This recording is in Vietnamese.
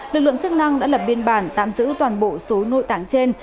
lực lượng chức năng đã lập biên bản tạm giữ toàn bộ số nội tạng trên